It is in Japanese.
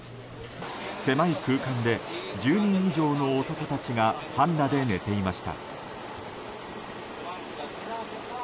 狭い空間で１０人以上の男たちが半裸で寝ていました。